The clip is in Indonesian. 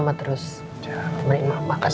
kamu harus ngurusin mama terus